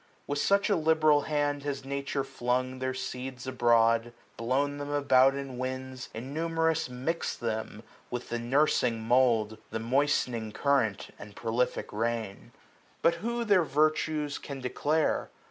With such a liberal hand has nature flung Their seeds abroad ; blown them about in winds, 230 Innumerous mix'd them with the nursing mould. The moistening current, and prolific rain. But who their virtues can declare